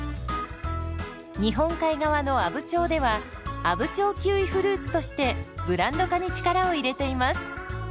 日本海側の阿武町では「阿武町キウイフルーツ」としてブランド化に力を入れています。